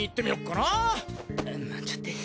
なんちゃって。